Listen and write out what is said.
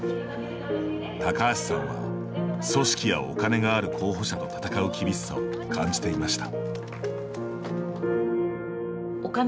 高橋さんは、組織やお金がある候補者と戦う厳しさを感じていました。